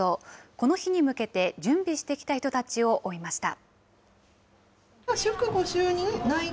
この日に向けて準備してきた人たちを追いました。